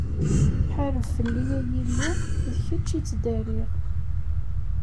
Ḥareb fell-i, ay Illu, d kečč i ttdariɣ.